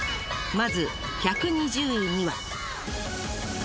まず１２０位には。